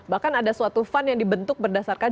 bahkan ada suatu fund yang dibentuk berdasarkan